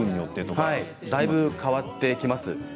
そうですだいぶ変わってきます。